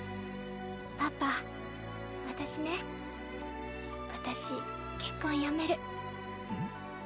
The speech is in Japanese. パパ私ね私結婚やめる。